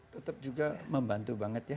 tetap juga membantu banget ya